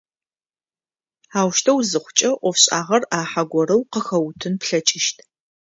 Аущтэу зыхъукӏэ ӏофшӏагъэр ӏахьэ горэу къыхэуутын плъэкӏыщт.